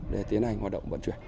để tiến hành hoạt động vận chuyển